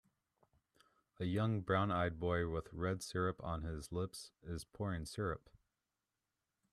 A young brown eyed boy with red syrup on his lips is pouring syrup.